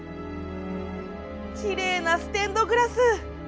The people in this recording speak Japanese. きれいなステンドグラス！